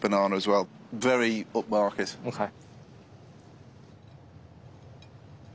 はい。